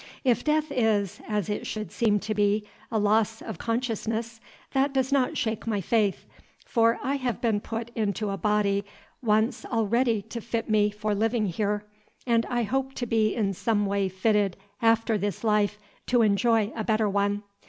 If death is, as it should seem to be, a loss of consciousness, that does not shake my faith; for I have been put into a body once already to fit me for living here, and I hope to be in some way fitted after this life to enjoy a better one.